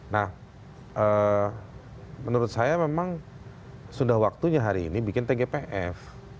nah menurut saya memang sudah waktunya hari ini bikin tgpf